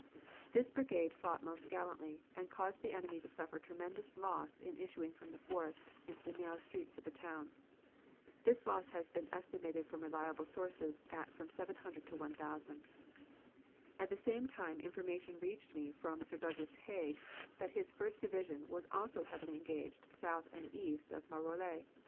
This brigade fought most gallantly, and caused the enemy to suffer tremendous loss in issuing from the forest into the narrow streets of the town. This loss has been estimated from reliable sources at from 700 to 1,000. At the same time information reached me from Sir Douglas Haig that his First Division was also heavily engaged south and east of Maroilles.